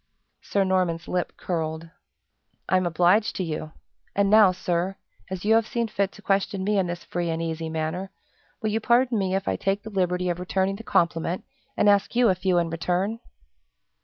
Sir Norman's lip curled. "I'm obliged to you! And now, sir, as you have seen fit to question me in this free and easy manner, will you pardon me if I take the liberty of returning the compliment, and ask you a few in return?"